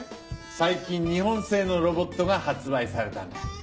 最近日本製のロボットが発売されたんだ。